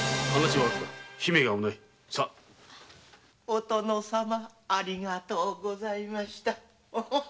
お殿様ありがとうございました。